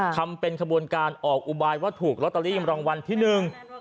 ทำเป็นขบวนการออกอุบายว่าถูกลอตเตอรี่รางวัลที่หนึ่ง